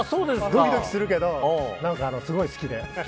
ドキドキするけど何か、すごい好きで。